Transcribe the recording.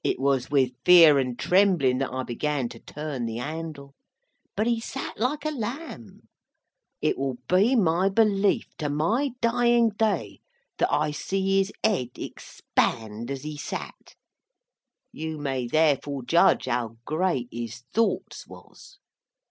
It was with fear and trembling that I began to turn the handle; but he sat like a lamb. I will be my belief to my dying day, that I see his Ed expand as he sat; you may therefore judge how great his thoughts was.